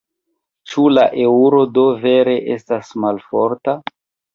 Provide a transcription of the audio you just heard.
Ĉu la eŭro do vere estas malforta?